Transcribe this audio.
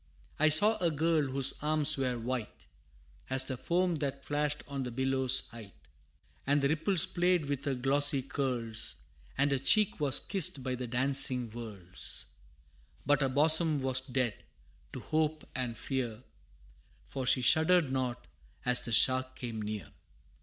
I saw a girl whose arms were white, As the foam that flashed on the billows' height; And the ripples played with her glossy curls, And her cheek was kissed by the dancing whirls; But her bosom was dead to hope and fear, For she shuddered not as the shark came near.